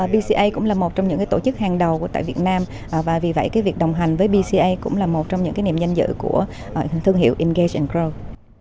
bca cũng là một trong những tổ chức hàng đầu tại việt nam và vì vậy việc đồng hành với bca cũng là một trong những niệm danh dự của thương hiệu engage grow